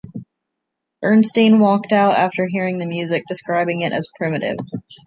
Bernstein walked out after hearing the music, describing it as "primitive".